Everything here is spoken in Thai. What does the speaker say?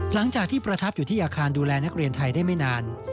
หลังจากที่ประทับอยู่ที่อาคารดูแลนักเรียนไทยได้ไม่นาน